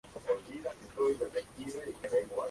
La fuerza cartaginesa consiguió la victoria.